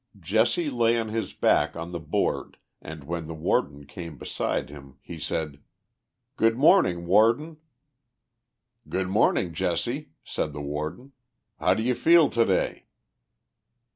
Jesse lay on his back on the board and when the Warden came beside him he said : 44 Good morning, Warden." 44 Good morning, Jesse," said the Warden. •• How do you feel today